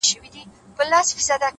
• په پردیو که پاللی بیرغ غواړم ,